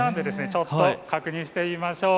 ちょっと確認してみましょう。